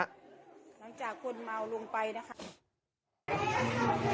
หลังจากคนเมาลงไปนะคะ